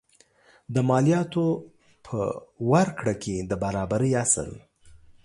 د مالیاتو په ورکړه کې د برابرۍ اصل.